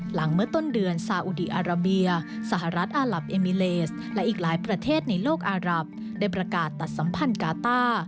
หลังเมื่อต้นเดือนซาอุดีอาราเบียสหรัฐอาหลับเอมิเลสและอีกหลายประเทศในโลกอารับได้ประกาศตัดสัมพันธ์กาต้า